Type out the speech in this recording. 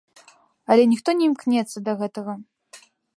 Але ніхто не імкнецца да гэтага!